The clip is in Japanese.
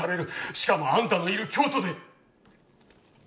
しかもあんたのいる京都で。